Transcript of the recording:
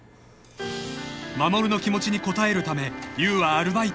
［衛の気持ちに応えるため優はアルバイトを続け］